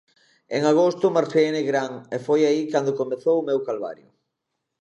En agosto marchei a Nigrán e foi aí cando comezou o meu calvario.